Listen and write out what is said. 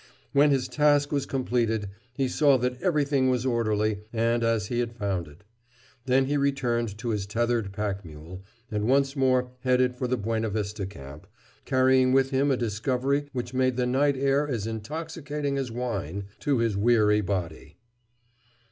When his task was completed he saw that everything was orderly and as he had found it. Then he returned to his tethered pack mule and once more headed for the Buenavista Camp, carrying with him a discovery which made the night air as intoxicating as wine to his weary body.